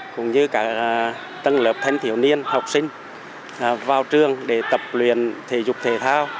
cũng như cả tân lập thanh thiểu niên học sinh vào trường để tập luyện thể dục thể thao